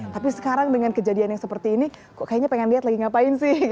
tapi sekarang dengan kejadian yang seperti ini kok kayaknya pengen lihat lagi ngapain sih